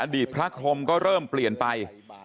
อดีตพระคมก็เริ่มเปลี่ยนไป